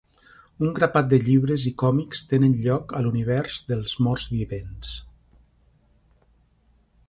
Un grapat de llibres i còmics tenen lloc a l'univers dels morts vivents.